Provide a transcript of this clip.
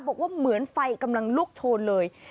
บอกว่าเหมือนไฟกำลังลุกโชนเลย